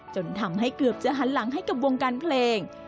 จนทำให้เกือบจะหันหลังให้กับวงการเพลง